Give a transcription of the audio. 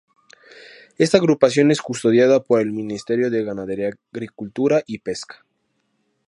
Esta agrupación es custodiada por el Ministerio de Ganadería Agricultura y Pesca.